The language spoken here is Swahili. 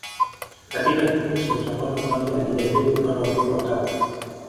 Katika kipindi cha utawala wake alijaliwa kupata watoto watatu